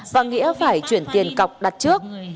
và nghĩa phải chuyển tiền cọc đặt trước